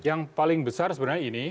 yang paling besar sebenarnya ini